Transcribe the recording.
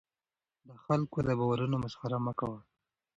د خلکو د باورونو مسخره مه کوه.